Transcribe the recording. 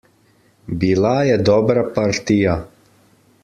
Bila je dobra partija.